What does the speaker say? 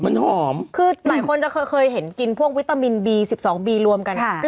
เหมือนหอมคือหลายคนจะเคยเห็นกินพวกวิตามินบีสิบสองบีรวมกันค่ะ